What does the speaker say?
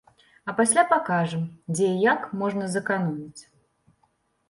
А пасля пакажам, дзе і як можна зэканоміць.